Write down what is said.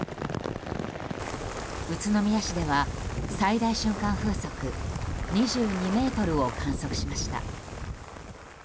宇都宮市では最大瞬間風速２２メートルを観測しました。